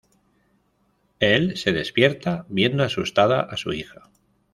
Él se despierta viendo asustada a su hija.